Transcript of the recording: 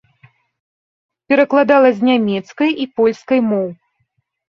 Перакладала з нямецкай і польскай моў.